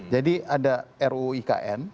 jadi ada ruu ikn